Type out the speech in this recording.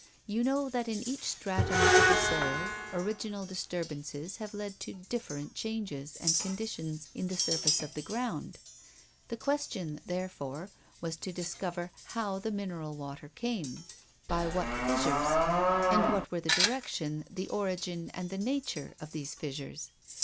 You know that in each stratum of the soil original disturbances have led to different changes and conditions in the surface of the ground. The question, therefore, was to discover how the mineral water came by what fissures and what were the direction, the origin, and the nature of these fissures.